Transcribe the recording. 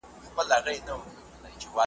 موږ د شین سترګي تعویذګر او پیر بابا په هیله `